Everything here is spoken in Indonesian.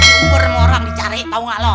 bungkur sama orang dicari tau gak lu